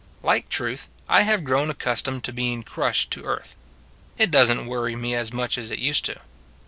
Like Truth, I have grown accustomed to being crushed to earth. It doesn t worry me as much as it used to.